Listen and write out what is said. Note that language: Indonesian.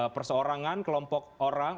perseorangan kelompok orang